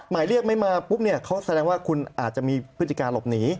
หมายเรียกไม่มาปุ๊บเนี่ยเขาแสดงว่าคุณอาจจะมีพฤติการหลบหนี